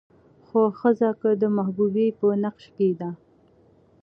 خو ښځه که د محبوبې په نقش کې ده